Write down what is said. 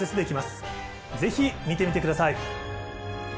是非見てみてください。